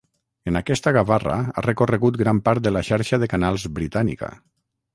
En aquesta gavarra ha recorregut gran part de la xarxa de canals britànica.